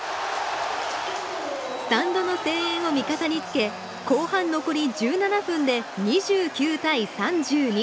スタンドの声援を味方につけ後半残り１７分で２９対３２。